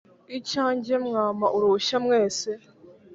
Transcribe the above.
Icyanjye mwampa uruhushya mwese,